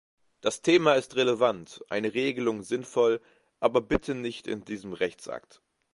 Das Thema ist relevant, eine Regelung sinnvoll, aber bitte nicht in diesem Rechtsakt.